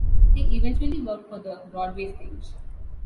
He eventually worked for the Broadway stage.